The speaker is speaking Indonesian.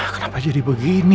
kenapa jadi begini